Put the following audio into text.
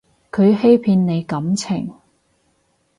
佢欺騙你感情